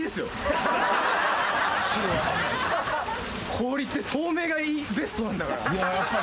氷って透明がベストなんだから。